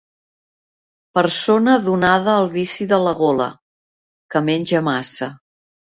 Persona donada al vici de la gola, que menja massa.